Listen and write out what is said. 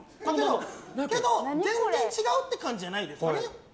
全然違うって感じじゃないですね。